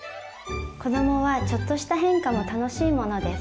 子どもはちょっとした変化も楽しいものです。